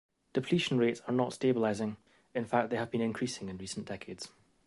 Depletion rates are not stabilizing, in fact, they have been increasing in recent decades.